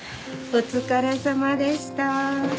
お疲れさまでした。